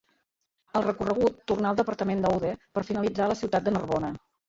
El recorregut tornà al departament d'Aude per finalitzar a la ciutat de Narbona.